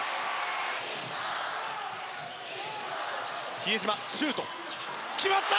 比江島のシュート、決まった！